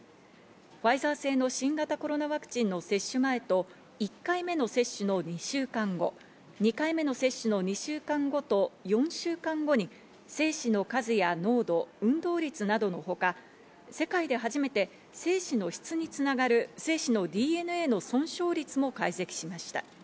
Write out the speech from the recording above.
ファイザー製の新型コロナワクチンの接種前と１回目の接種の２週間後、２回目の接種の２週間後と４週間後に精子の数や濃度、運動率などのほか、世界で初めて精子の質につながる精子のＤＮＡの損傷率も解析しました。